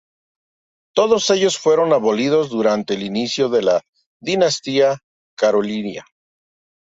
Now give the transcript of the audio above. Todos ellos fueron abolidos durante el inicio de la dinastía carolingia.